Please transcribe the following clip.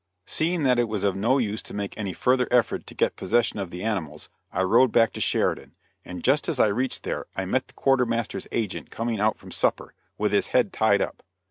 Seeing that it was of no use to make any further effort to get possession of the animals I rode back to Sheridan, and just as I reached there I met the quartermaster's agent coming out from supper, with his head tied up.